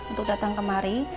untuk datang kemari